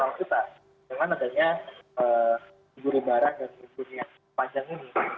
dengan adanya budur lebaran dan libur panjang ini